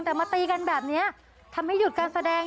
แต่มาตีกันแบบนี้ทำให้หยุดการแสดง